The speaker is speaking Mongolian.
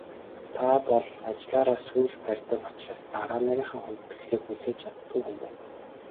Та бол ажлаараа сүүл барьдаг учраас дарга нарынхаа хүндэтгэлийг хүлээж чаддаггүй хүн байна.